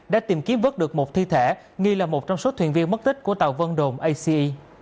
đã tìm kiếm vớt được một thi thể nghi là một trong số thuyền viên mất tích của tàu vân đồn ace